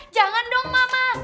jangan dong mama